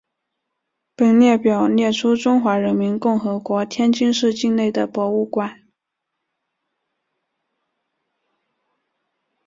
本列表列出中华人民共和国天津市境内的博物馆。